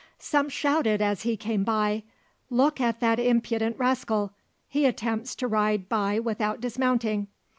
Some shouted as he came by, "Look at that impudent rascal! He attempts to ride by without dismounting."